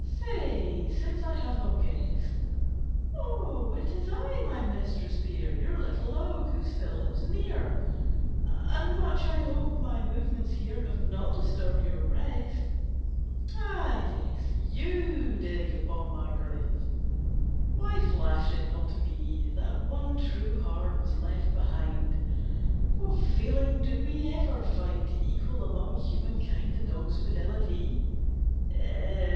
Say since I have not guessed!" "O it is I, my mistress dear, Your little dog , who still lives near, And much I hope my movements here Have not disturbed your rest?" "Ah yes! You dig upon my grave... Why flashed it not to me That one true heart was left behind! What feeling do we ever find To equal among human kind A dog's fidelity!"